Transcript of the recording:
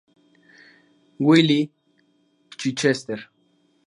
Wiley, Chichester.